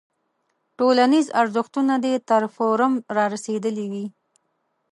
ټولنیز ارزښتونه دې تر فورم رارسېدلی وي.